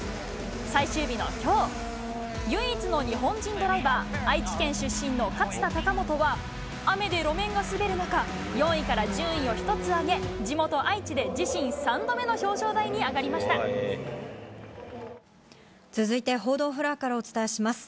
最終日のきょう、唯一の日本人ドライバー、愛知県出身の勝田貴元は、雨で路面が滑る中、４位から順位を１つ上げ、地元、愛知で自身３度目の表彰台に上が続いて、報道フロアからお伝えします。